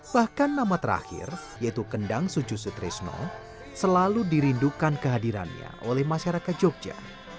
bahkan nama terakhir yaitu kendang suju sutrisno selalu dirindukan kehadirannya oleh masyarakat jogja